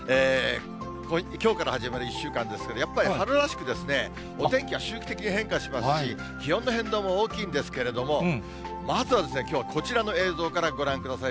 きょうから始まる１週間ですけど、やっぱり春らしく、お天気は周期的に変化しますし、気温の変動も大きいんですけれども、まずはですね、きょうはこちらの映像からご覧ください。